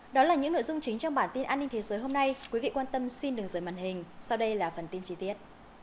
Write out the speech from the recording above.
đó là những nội dung chính trong bản tin an ninh thế giới hôm nay quý vị quan tâm xin đừng rời màn hình sau đây là phần tin chi tiết